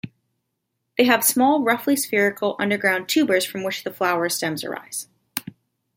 They have small, roughly spherical, underground tubers from which the flower stems arise.